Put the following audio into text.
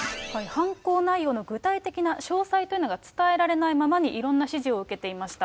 犯行内容の具体的な詳細というのが伝えられないままに、いろんな指示を受けていました。